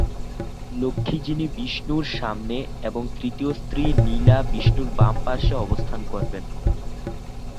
লক্ষ্মী যিনি বিষ্ণুর সামনে এবং তৃতীয় স্ত্রী নীলা বিষ্ণুর বাম পার্শ্বে অবস্থান করবেন।